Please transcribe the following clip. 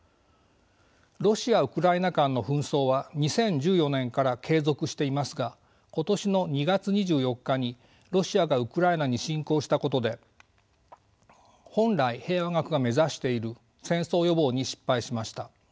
ロシア・ウクライナ間の紛争は２０１４年から継続していますが今年の２月２４日にロシアがウクライナに侵攻したことで本来平和学が目指している戦争予防に失敗しました。